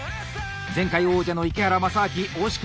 前回王者の池原大烈